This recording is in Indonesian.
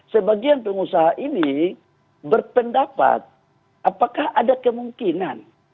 sebagian pengusaha ini berpendapat apakah ada kemungkinan